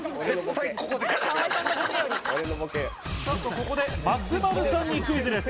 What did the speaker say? ここで松丸さんにクイズです。